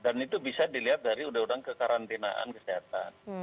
dan itu bisa dilihat dari udang udang kekarantinaan kesehatan